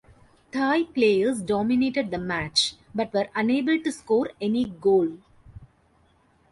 Thai players dominated the match but were unable to score any goal.